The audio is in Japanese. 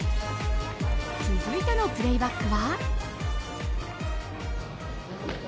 続いてのプレイバックは。